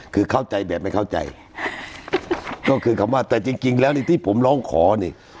คือเข้าใจแบบไม่เข้าใจก็คือคำว่าแต่จริงจริงแล้วนี่ที่ผมร้องขอนี่